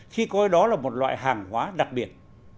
khi coi đó là một loại hàng hóa đặc biệt